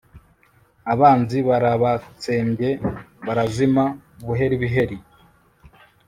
abanzi warabatsembye, barazima buheriheri